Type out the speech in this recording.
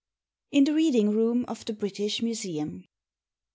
IN THE READING ROOM OF THE BRITISH MUSEUM.